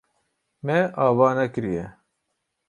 Me ava nekiriye.